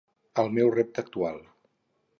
El meu repte actual.